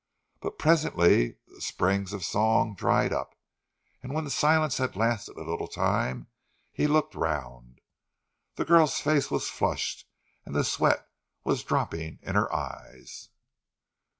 But presently the springs of song dried up, and when the silence had lasted a little time he looked round. The girl's face was flushed, and the sweat was dropping in her eyes.